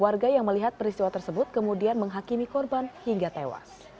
warga yang melihat peristiwa tersebut kemudian menghakimi korban hingga tewas